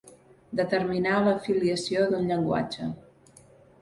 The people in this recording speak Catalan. Determinar la filiació d'un llenguatge.